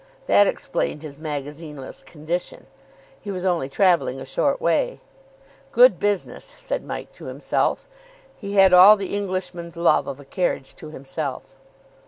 That explained his magazineless condition. He was only travelling a short way. "Good business," said Mike to himself. He had all the Englishman's love of a carriage to himself.